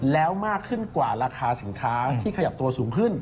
แล้วมากขึ้นกว่าราคาสินค้าที่ขยับตัวสูงขึ้น